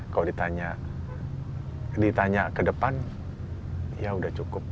kalau ditanya ke depan ya sudah cukup